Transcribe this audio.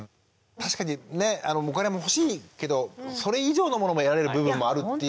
確かにねお金も欲しいけどそれ以上のものも得られる部分もあるっていう。